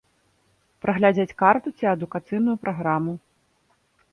Праглядзець карту ці адукацыйную праграму.